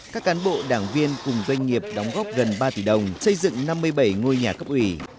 các cán bộ đảng viên cùng doanh nghiệp đóng góp gần ba tỷ đồng xây dựng năm mươi bảy ngôi nhà cấp ủy